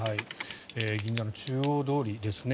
銀座の中央通りですね。